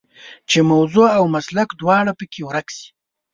چې موضوع او مسلک دواړه په کې ورک شي.